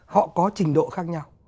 họ có trình độ khác nhau